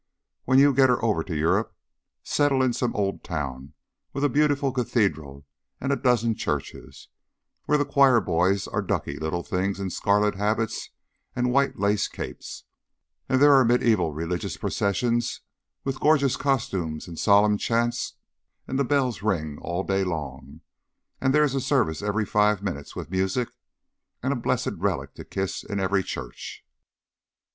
When you get her over to Europe, settle in some old town with a beautiful cathedral and a dozen churches, where the choir boys are ducky little things in scarlet habits and white lace capes, and there are mediaeval religious processions with gorgeous costumes and solemn chants, and the bells ring all day long, and there is a service every five minutes with music, and a blessed relic to kiss in every church.